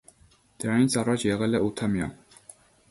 Դրանից առաջ եղել է ութամյա։